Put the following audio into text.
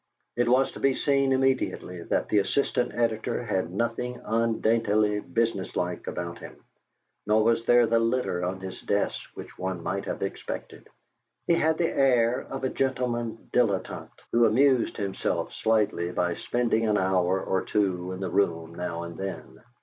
It was to be seen immediately that the assistant editor had nothing undaintily business like about him, nor was there the litter on his desk which one might have expected. He had the air of a gentleman dilettante who amused himself slightly by spending an hour or two in the room now and then.